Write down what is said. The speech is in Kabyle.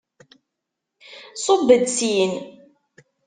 Ṣubb-d syin!